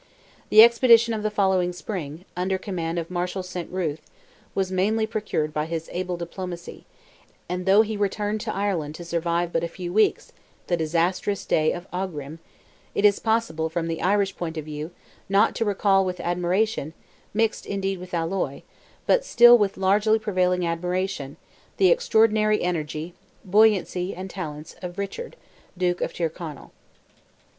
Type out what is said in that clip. The expedition of the following spring, under command of Marshal Saint Ruth, was mainly procured by his able diplomacy, and though he returned to Ireland to survive but a few weeks the disastrous day of Aughrim, it is impossible from the Irish point of view, not to recall with admiration, mixed indeed with alloy, but still with largely prevailing admiration, the extraordinary energy, buoyancy and talents of Richard, Duke of Tyrconnell.